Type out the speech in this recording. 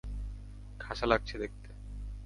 খাসা লাগছে দেখতে!